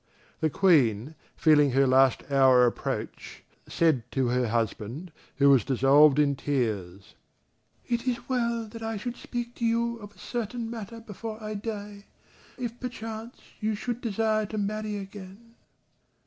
The Queen, feeling her last hour approach, said to her husband, who was dissolved in tears: "It is well that I should speak to you of a certain matter before I die: if, perchance, you should desire to marry again...."